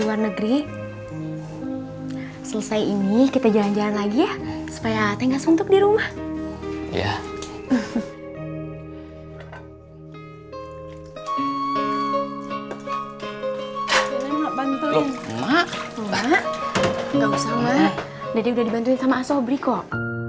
mak gak usah mak dede udah dibantuin sama asa obri kok